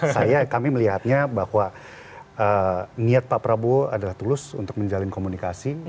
saya kami melihatnya bahwa niat pak prabowo adalah tulus untuk menjalin komunikasi